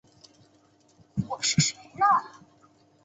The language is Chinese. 随之而来的是地球的降温冰封。